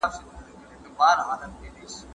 دوامداره فشار د هاضمي ستونزو سبب کېږي.